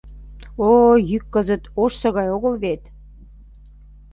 Ой, йӱк кызыт ожсо гай огыл вет.